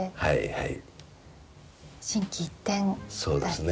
はい。